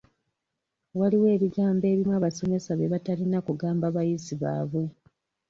Waliwo ebigambo ebimu abasomesa bye batalina kugamba bayizi baabwe.